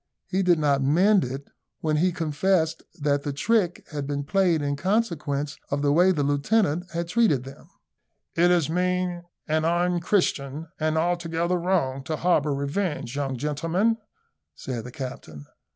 He did not mend it when he confessed that the trick had been played in consequence of the way the lieutenant had treated him. "It is mean, and unchristian, and altogether wrong, to harbour revenge, young gentlemen," said the captain.